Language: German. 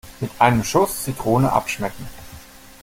Mit einem Schuss Zitrone abschmecken.